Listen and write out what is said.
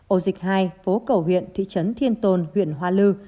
ổ dịch hai phố cầu huyện thị trấn thiên tồn huyện hoa lư